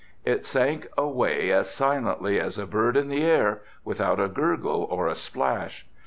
It sank away as silently as a bird in the air, without a gurgle or a splash.